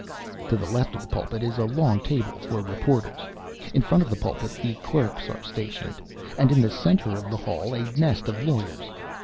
To the left of the pulpit is a long table for reporters; in front of the pulpit the clerks are stationed, and in the centre of the hall a nest of lawyers.